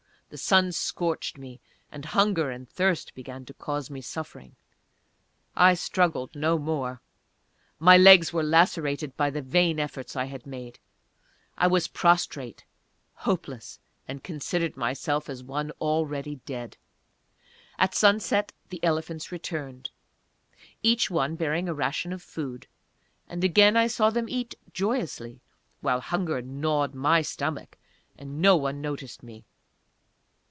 The sun scorched me, and hunger and thirst began to cause me suffering. I struggled no more. My legs were lacerated by the vain efforts I had made. I was prostrate hopeless! and considered myself as one already dead!... At sunset the elephants returned, each one bearing a ration of food; and again I saw them eat joyously, while hunger gnawed my stomach and no one noticed me.